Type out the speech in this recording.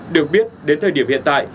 được biết đến thời điểm hiện tại